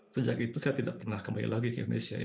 sejak itu saya tidak pernah kembali lagi ke indonesia